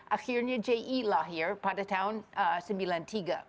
akhirnya ji lahir pada tahun seribu sembilan ratus sembilan puluh tiga